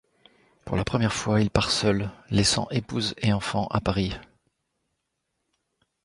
Pour la première fois il part seul laissant épouse et enfants à Paris.